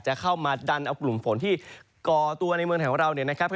เข้ามาดันเอากลุ่มฝนที่ก่อตัวในเมืองไทยของเราเนี่ยนะครับ